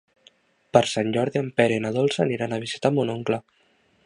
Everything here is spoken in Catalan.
Per Sant Jordi en Pere i na Dolça aniran a visitar mon oncle.